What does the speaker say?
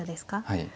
はい。